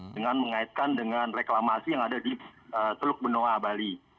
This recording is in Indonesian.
dengan mengaitkan dengan reklamasi yang ada di teluk benoa bali